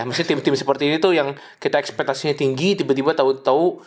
maksudnya tim tim seperti ini tuh yang kita ekspektasinya tinggi tiba tiba tau tau